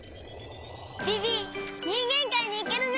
ビビにんげんかいにいけるね。